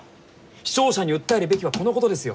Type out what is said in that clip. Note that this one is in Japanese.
視聴者に訴えるべきはこのことですよ！